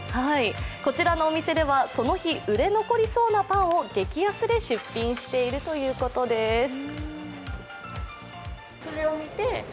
こちらのお店では、その日売れ残りそうなパンを激安で出品しているということです。